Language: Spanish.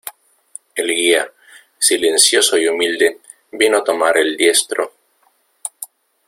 el guía, silencioso y humilde , vino a tomar el diestro.